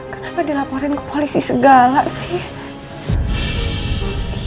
kenapa dilaporin ke polisi segala sih